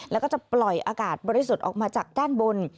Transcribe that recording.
แล้วก็จะปล่อยอากาศบริสุทธิ์ออกมาจากด้านบน